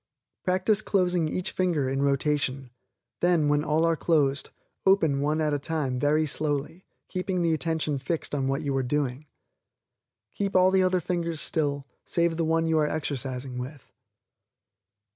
Practice closing each finger in rotation; then, when all are closed, open one at a time very slowly, keeping the attention fixed on what you are doing. Keep all the other fingers still, save the one you are exercising with.